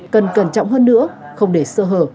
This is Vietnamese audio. cần cẩn trọng hơn nữa không để sơ hở